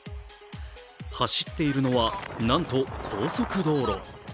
走っているのは、なんと高速道路。